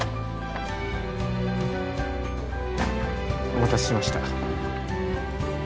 お待たせしました。